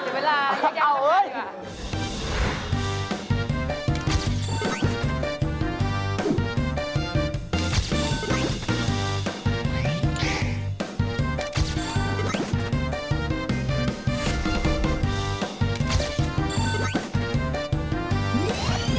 เวลายังไงเอาเลย